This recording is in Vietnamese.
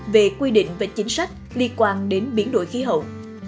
về quy định và chính sách liên quan đến biến đổi khí hậu